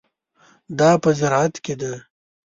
دا په زراعت کې ده.